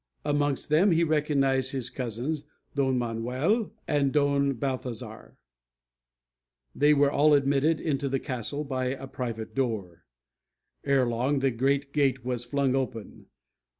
Amongst them he recognized his cousins, Don Manuel and Don Balthazar. They were all admitted into the castle by a private door. Ere long the great gate was flung open.